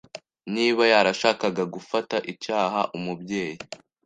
Niba yarashakaga gufata icyaha Umubyeyi